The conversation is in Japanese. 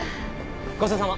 ごちそうさま。